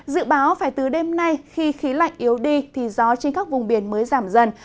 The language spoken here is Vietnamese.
dự báo phải từ đêm nay khi khí lạnh yếu đi thì gió trên các vùng biển mới giảm dần